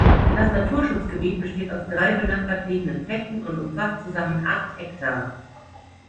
Das Naturschutzgebiet besteht aus drei benachbart liegenden Flächen und umfasst zusammen acht Hektar.